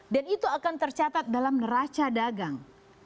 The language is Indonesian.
dan itu akan tercatat dalam neraca dagang